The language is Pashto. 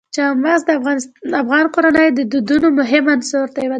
چار مغز د افغان کورنیو د دودونو مهم عنصر دی.